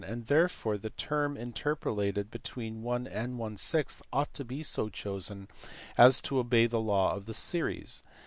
and therefore the term interpolated between 1 and ^ ought to be so chosen as to obey the law of this series.